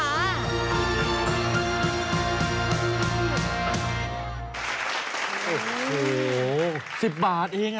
โอ้โหสิบบาทเอง